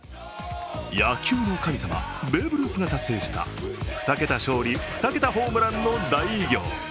野球の神様、ベーブ・ルースが達成した、２桁勝利・２桁ホームランの大偉業。